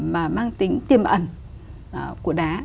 mà mang tính tiềm ẩn của đá